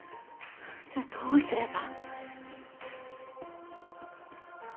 じゃあどうすれば。